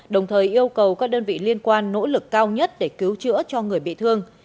đồng thời yêu cầu các đơn vị liên quan nỗ lực cao nhất để cứu chữa cho người bị thương